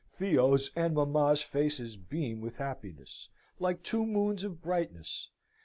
Theo's and mamma's faces beam with happiness, like two moons of brightness....